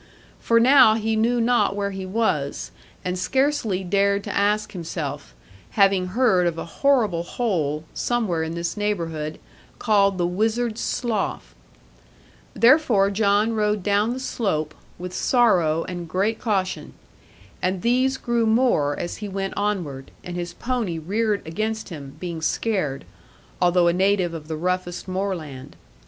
For now he knew not where he was, and scarcely dared to ask himself, having heard of a horrible hole, somewhere in this neighbourhood, called the Wizard's Slough. Therefore John rode down the slope, with sorrow, and great caution. And these grew more as he went onward, and his pony reared against him, being scared, although a native of the roughest moorland.